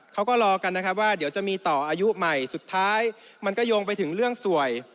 เขาก็รอกันนะครับว่าเดี๋ยวจะมีต่ออายุใหม่สุดท้ายมันก็โยงไปถึงเรื่องสวย